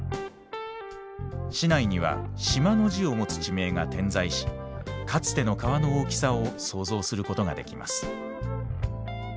市内には「島」の字を持つ地名が点在しかつての川の大きさを想像することができます。